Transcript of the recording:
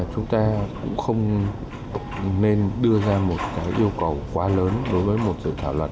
chúng ta cũng không nên đưa ra một yêu cầu quá lớn đối với một dự thảo luật